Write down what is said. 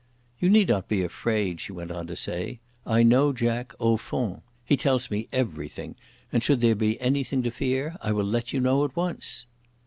"You need not be afraid," she went on to say. "I know Jack au fond. He tells me everything; and should there be anything to fear, I will let you know at once."